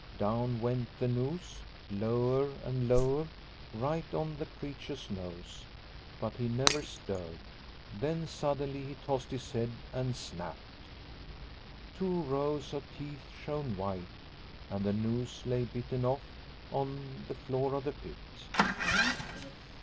Down went the noose, lower and lower, right on the creature's The Fox pit 123 nose, but he never stirred. Then suddenly he tossed his head and snapped. Two rows of teeth shone white, and the noose lay bitten off on the floor of the pit.